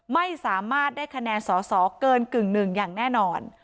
ไม่สามารถได้คะแนนสอสอเกินกึ่งหนึ่งอย่างแน่นอน